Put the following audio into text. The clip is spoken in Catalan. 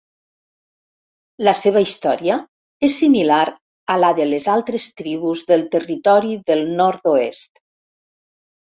La seva història és similar a la de les altres tribus del Territori del Nord-oest.